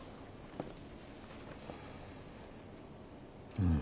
うん。